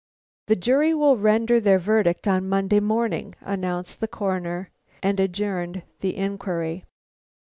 "The jury will render their verdict on Monday morning," announced the Coroner, and adjourned the inquiry.